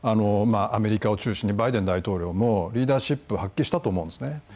アメリカを中心にバイデン大統領もリーダーシップを発揮したと思います。